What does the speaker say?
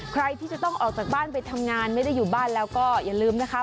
ใครที่จะต้องออกจากบ้านไปทำงานไม่ได้อยู่บ้านแล้วก็อย่าลืมนะคะ